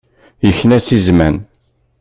Yekna-as i zman.